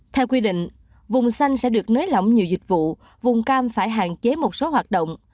theo quy định vùng xanh sẽ được nới lỏng nhiều dịch vụ vùng cam phải hạn chế một số hoạt động